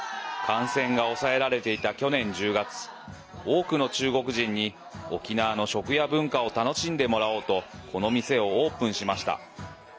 感染が抑えられていた去年１０月多くの中国人に沖縄の食や文化を楽しんでもらおうとこの店をオープンしました。